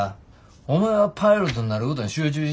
お前はパイロットになることに集中し。